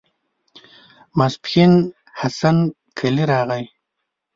ماسپښين حسن قلي راغی.